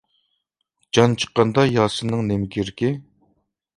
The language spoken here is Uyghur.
جان چىققاندا ياسىننىڭ نېمە كېرىكى.